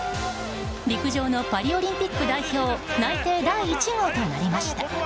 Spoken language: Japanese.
陸上のパリオリンピック代表内定第１号となりました。